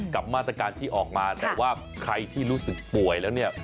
กับมาตรการที่ออกมาแต่ว่าใครที่รู้สึกป่วยแล้วเนี่ย